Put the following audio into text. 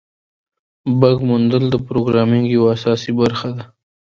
بګ موندل د پروګرامینګ یوه اساسي برخه ده.